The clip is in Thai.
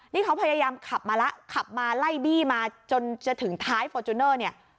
นี่เขาพยายามขับมาแล้วขับมาไล่บี้มาจนจะถึงท้ายฟอร์จูเนอร์เนี่ย